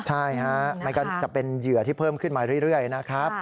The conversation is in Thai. ใช่ฮะมันก็จะเป็นเหยื่อที่เพิ่มขึ้นมาเรื่อยนะครับ